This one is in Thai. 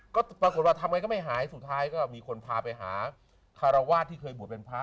ก็ปรากฏว่าทำไงก็ไม่หายสุดท้ายก็มีคนพาไปหาคารวาสที่เคยบวชเป็นพระ